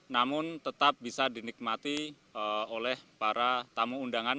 namun tetap bisa dinikmati oleh para tamu undangan